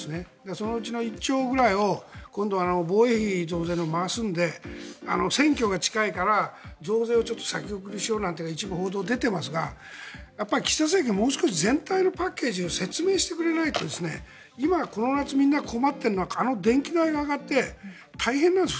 そのうちの１兆ぐらいを今度、防衛費増税に回すので選挙が近いから増税をちょっと先送りしようなんていう一部報道が出ていますが岸田政権はもう少し全体のパッケージの説明してくれないと今、この夏みんな困っているのは電気代が上がって大変なんです